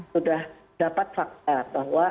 sudah dapat fakta bahwa